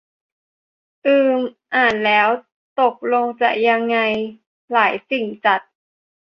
อืม อ่านแล้ว ตกลงจะยังไง หลายสิ่งจัด